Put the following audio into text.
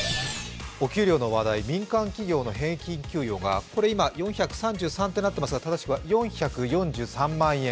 お給料の話題、民間給与の平均給与が今、４３３となっていますが、正しくは４４３万円。